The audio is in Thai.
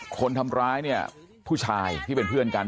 คนทำร้ายเนี่ยผู้ชายที่เป็นเพื่อนกัน